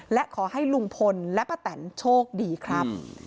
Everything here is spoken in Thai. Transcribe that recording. และขอให้ลุงพลและป้าแตนโชคดีครับ